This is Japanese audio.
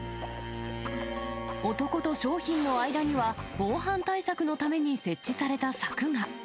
男と商品の間には、防犯対策のために設置された柵が。